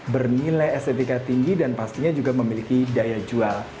bernilai estetika tinggi dan pastinya juga memiliki daya jual